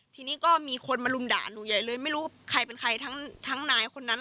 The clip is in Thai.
ทีนี้ก็มีคนมาลุมด่าหนูใหญ่เลยไม่รู้ว่าใครเป็นใครทั้งนายคนนั้น